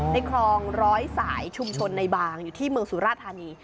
ในคลองร้อยสายชุมชนในบางอยู่ที่เมืองสุราธานี